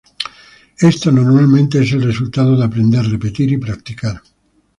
Esto normalmente es el resultado de aprender, repetir, y practicar.